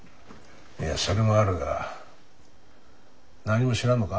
いやそれもあるが何も知らんのか？